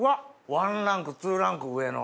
ワンランクツーランク上の。